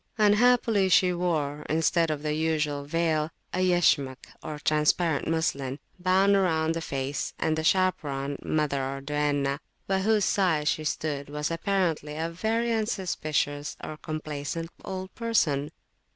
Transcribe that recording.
Unhappily she wore, instead of the usual veil, a Yashmak of transparent muslin, bound round the face; and the chaperone, mother, or duenna, by whose side she stood, was apparently a very unsuspicious or complaisant old person.